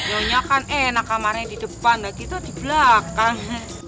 yaunya kan enak kamarnya di depan nanti tuh di belakang